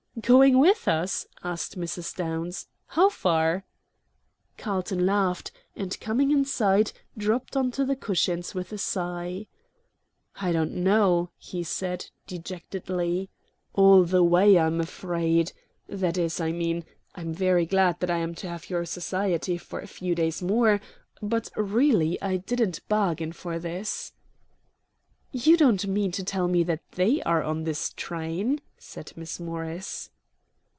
"Going with us?" asked Mrs. Downs. "How far?" Carlton laughed, and, coming inside, dropped onto the cushions with a sigh. "I don't know," he said, dejectedly. "All the way, I'm afraid. That is, I mean, I'm very glad I am to have your society for a few days more; but really I didn't bargain for this." "You don't mean to tell me that THEY are on this train?" said Miss Morris.